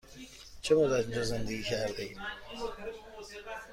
چه مدت اینجا زندگی کرده اید؟